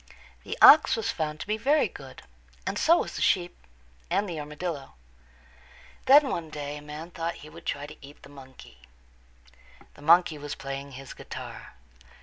The ox was found to be very good, and so was the sheep, and the armadillo. Then one day a man thought that he would try to eat the monkey. The monkey was playing his guitar.